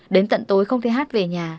đến tận tối không thể hát về nhà